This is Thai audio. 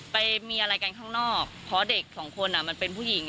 ไปมีอะไรกันข้างนอกเพราะเด็กสองคนมันเป็นผู้หญิง